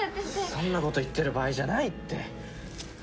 そんなこと言ってる場合じゃないって！